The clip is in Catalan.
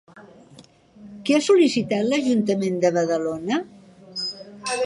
Què ha sol·licitat l'Ajuntament de Badalona?